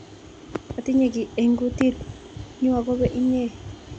Atinye kiy eng' kotit nyu akopo inye